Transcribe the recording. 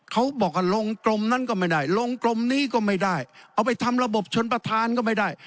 เขาบอกว่าลงกรมนั้นก็ไม่ได้ลงกรมนี้ก็ไม่ได้เอาไปทำระบบชนประธานก็ไม่ได้